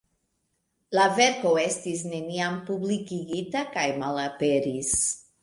La verko estis neniam publikigita kaj malaperis.